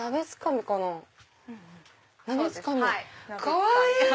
かわいい！